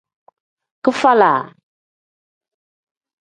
Kifalag.